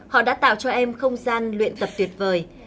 họ đã tạo cho em không gian luyện tập tuyệt vời